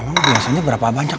emang biasanya berapa banyak